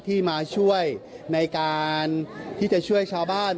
ที่มาช่วยในการที่จะช่วยชาวบ้าน